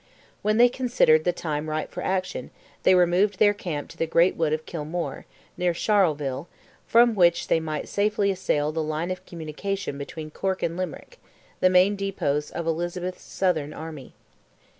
When they considered the time ripe for action, they removed their camp to the great wood of Kilmore, near Charleville, from which they might safely assail the line of communication between Cork and Limerick, the main depots of Elizabeth's southern army.